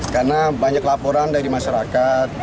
karena banyak laporan dari masyarakat